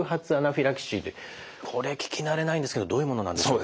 これ聞き慣れないんですけどどういうものなんでしょう。